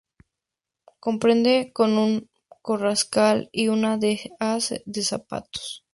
Comprende un monte carrascal y una dehesa de pastos.